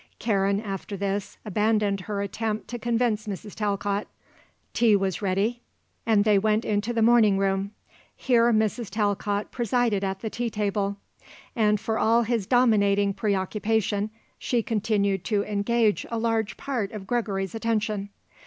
Karen, after this, abandoned her attempt to convince Mrs. Talcott. Tea was ready, and they went into the morning room. Here Mrs. Talcott presided at the tea table, and for all his dominating preoccupation she continued to engage a large part of Gregory's attention.